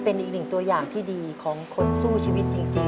เป็นอีกตัวอย่างที่ดีของคนสู้ชีวิต